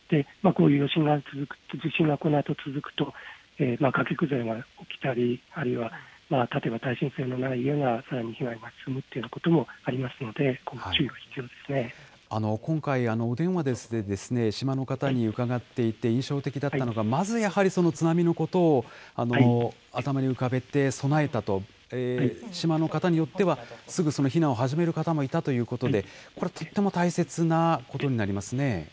この余震が続く、地震がこのあと続くと、崖崩れが起きたり、あるいは例えば耐震性のない家が被害は続くということがありますので、今回、お電話で島の方に伺っていて印象的だったのが、まずやはり津波のことを頭に浮かべて備えたと、島の方によっては、すぐ避難を始める方もいたということで、これはとっても大切なことになりますね。